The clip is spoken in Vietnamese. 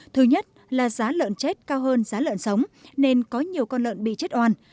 thứ nhất là giá lợn chết cao hơn giá lợn sống nên có nhiều con lợn bị chết oan